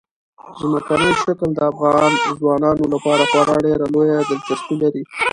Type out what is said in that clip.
ځمکنی شکل د افغان ځوانانو لپاره خورا ډېره لویه دلچسپي لري.